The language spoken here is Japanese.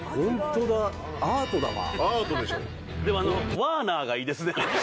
「ワーナー」がいいですね。